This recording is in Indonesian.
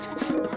tenang aja lu